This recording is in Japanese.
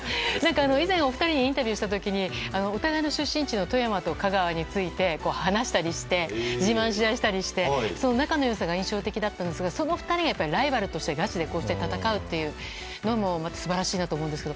以前お二人にインタビューした時にお互いの出身地の富山と香川について話したりして自慢しあったりして仲の良さが印象的でしたがその２人がライバルとしてこうして戦うというのも素晴らしいなと思いますけど。